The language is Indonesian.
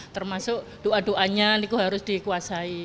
termasuk doa doanya liku harus dikuasai